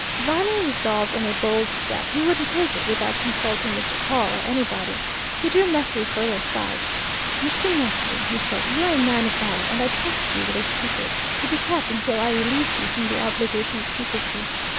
Viner resolved on a bold step he would take it without consulting Mr. Pawle or anybody. He drew Methley further aside. "Mr. Methley," he said. "You're a man of honour, and I trust you with a secret, to be kept until I release you from the obligation of secrecy.